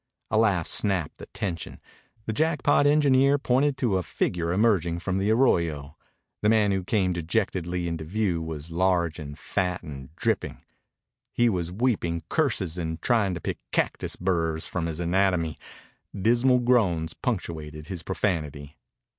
A laugh snapped the tension. The Jackpot engineer pointed to a figure emerging from the arroyo. The man who came dejectedly into view was large and fat and dripping. He was weeping curses and trying to pick cactus burrs from his anatomy. Dismal groans punctuated his profanity.